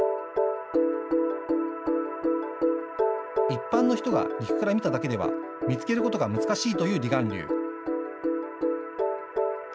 一般の人が陸から見ただけでは見つけることが難しいという離岸流。